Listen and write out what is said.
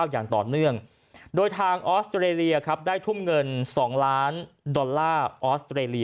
อย่างต่อเนื่องโดยทางออสเตรเลลียได้ทุ่มเงิน๒ล้านดอลลาร์